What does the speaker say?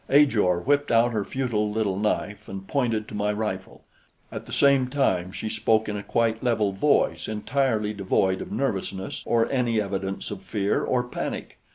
Ajor whipped out her futile little knife and pointed to my rifle. At the same time she spoke in a quite level voice entirely devoid of nervousness or any evidence of fear or panic.